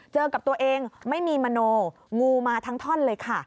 กับตัวเองไม่มีมโนงูมาทั้งท่อนเลยค่ะ